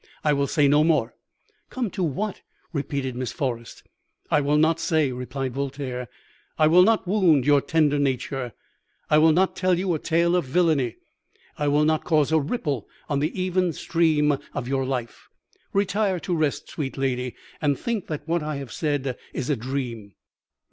I will say no more.' "'Come to what?' repeated Miss Forrest. "'I will not say,' replied Voltaire. 'I will not wound your tender nature; I will not tell you a tale of villainy; I will not cause a ripple on the even stream of your life. Retire to rest, sweet lady, and think that what I have said is a dream.'